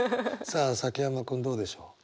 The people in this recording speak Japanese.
さあ崎山君どうでしょう？